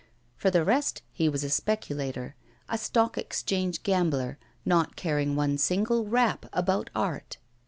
For the rest, he was a speculator, a Stock Exchange gambler, not caring one single rap about art.